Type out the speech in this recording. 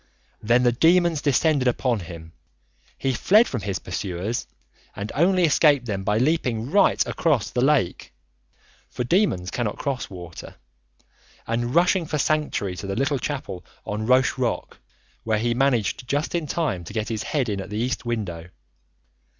Then the demons descended upon him. He fled from his pursuers, and only escaped them by leaping right across the lake for demons cannot cross water and rushing for sanctuary to the little chapel on the Roche Rock, where he managed just in time to get his head in at the east window.